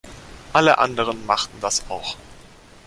Alle anderen machen das auch.